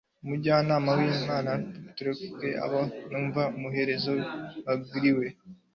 umujyanama w'umwami putolemeyi akaba anavuka mu baherezabitambo beguriwe